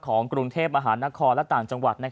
ของกรุงเทพมหานครและต่างจังหวัด